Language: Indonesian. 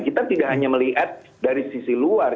kita tidak hanya melihat dari sisi luar